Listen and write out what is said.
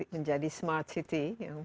menjadi smart city